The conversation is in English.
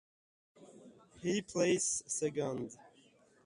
He placed second.